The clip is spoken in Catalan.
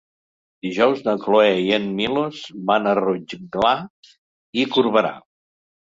Dijous na Cloè i en Milos van a Rotglà i Corberà.